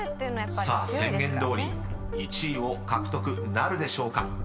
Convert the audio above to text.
［宣言どおり１位を獲得なるでしょうか？］